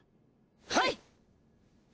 はい！